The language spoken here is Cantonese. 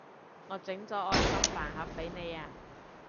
我整咗愛心飯盒畀你啊